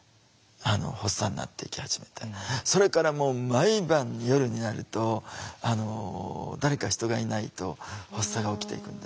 それからもう毎晩夜になると誰か人がいないと発作が起きていくんですよ。